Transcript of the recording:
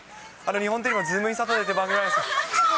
日本テレビのズームインサタデーという番組なんですけれども。